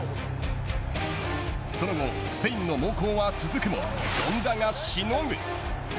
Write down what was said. その後スペインの猛攻は続くも権田がしのぐ。